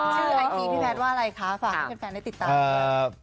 ชื่อไอฟีพี่แพทย์ว่าอะไรคะฝากให้เป็นแฟนได้ติดตาม